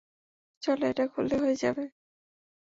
চলো, এটা খুললেই হয়ে যাবে।